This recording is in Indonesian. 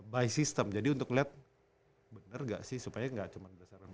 by system jadi untuk liat bener gak sih supaya gak cuman